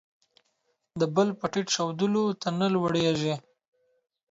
د بل په ټیټ ښودلو، ته نه لوړېږې.